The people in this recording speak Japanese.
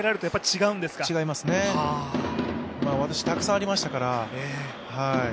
違いますね、私、たくさんありましたから。